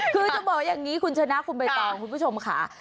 คือจะบอกอย่างนี้คุณชนะคุณใบตองคุณผู้ชมค่ะ